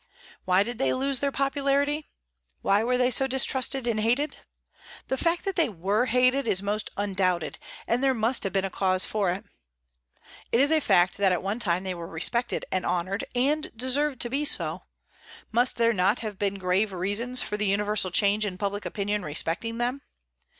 Why did they lose their popularity? Why were they so distrusted and hated? The fact that they were hated is most undoubted, and there must have been cause for it. It is a fact that at one time they were respected and honored, and deserved to be so: must there not have been grave reasons for the universal change in public opinion respecting them?